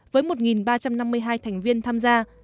với một ba trăm năm mươi hai thành viên tham gia